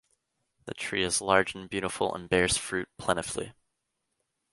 The tree is large and beautiful and bears fruit plentifully.